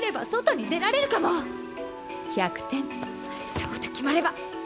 そうと決まれば。